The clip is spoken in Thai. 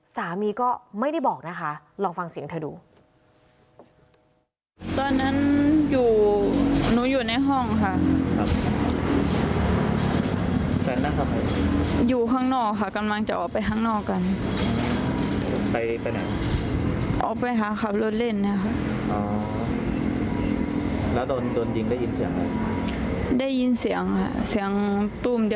สามีก็ไม่ได้บอกนะคะลองฟังเสียงเธอดู